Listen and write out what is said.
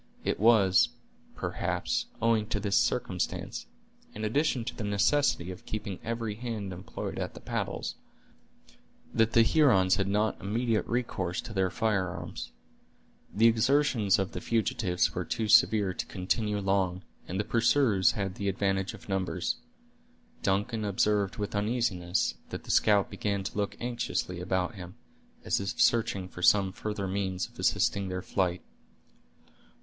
It was, perhaps, owing to this circumstance, in addition to the necessity of keeping every hand employed at the paddles, that the Hurons had not immediate recourse to their firearms. The exertions of the fugitives were too severe to continue long, and the pursuers had the advantage of numbers. Duncan observed with uneasiness, that the scout began to look anxiously about him, as if searching for some further means of assisting their flight.